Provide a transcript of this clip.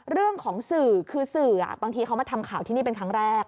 เรื่องของสื่อคือสื่อบางทีเขามาทำข่าวที่นี่เป็นครั้งแรก